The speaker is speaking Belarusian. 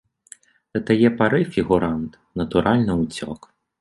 Да тае пары фігурант, натуральна, уцёк.